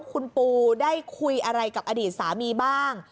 คุณปูได้คุยอะไรกับอดีตสามีบ้าง